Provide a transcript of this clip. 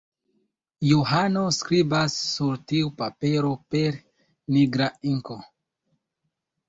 Johano skribas sur tiu papero per nigra inko.